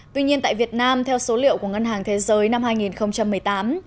tuy nhiên tại việt nam theo số liệu của ngân hàng thế giới năm hai nghìn một mươi tám